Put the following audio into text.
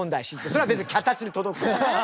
それは別に脚立で届く！